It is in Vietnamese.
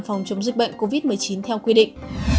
phòng chống dịch bệnh covid một mươi chín theo quy định